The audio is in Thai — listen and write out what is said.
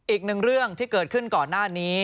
อีกหนึ่งเรื่องที่เกิดขึ้นก่อนหน้านี้